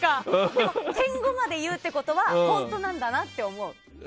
でも．５まで言うってことは本当なんだなって思う。